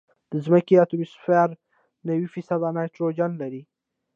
د ځمکې اتموسفیر نوي فیصده نایټروجن لري.